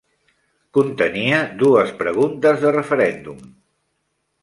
Contenia dues preguntes de referèndum.